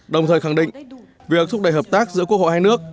đồng thời khẳng định việc thúc đẩy hợp tác giữa quốc hội hai nước